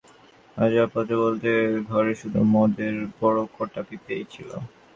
আসবাবপত্র বলতে ঘরে শুধু মদের বড় কটা পিপেই ছিল।